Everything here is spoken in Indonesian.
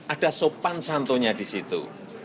ada sopan santonya di situ